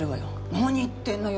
何言ってんのよ。